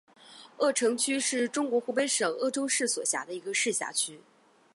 鄂城区是中国湖北省鄂州市所辖的一个市辖区。